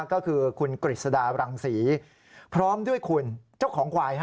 ก็คือคุณกฤษฎารังศรีพร้อมด้วยคุณเจ้าของควาย